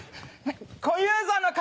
小遊三の敵！